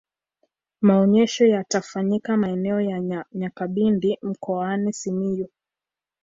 maonyesho yatafanyika maeneo ya nyakabindi mkoani simiyu